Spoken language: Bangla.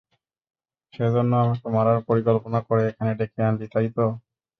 সেজন্য- আমাকে মারার পরিকল্পনা করে এখানে ডেকে আনলি, তাই তো?